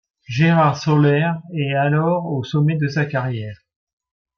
Gérard Soler est alors au sommet de sa carrière.